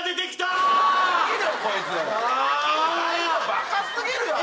バカ過ぎるだろ。